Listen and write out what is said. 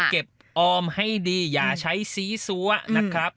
ออมให้ดีอย่าใช้ซีซัวนะครับ